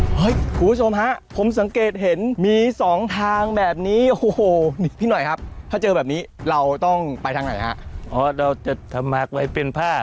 คุณผู้ชมฮะผมสังเกตเห็นมีสองทางแบบนี้โอ้โหพี่หน่อยครับถ้าเจอแบบนี้เราต้องไปทางไหนฮะอ๋อเราจะทำมาร์คไว้เป็นผ้า